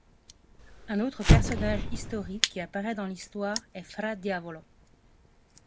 Un autre personnage historique qui apparait dans l'histoire est Fra Diavolo.